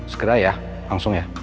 sekedar ya langsung ya